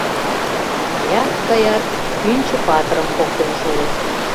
Каят, каят, Пӱнчӧ-патырым поктен шуыт.